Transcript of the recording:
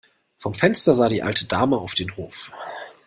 Vom Fenster sah die alte Dame auf den Hof.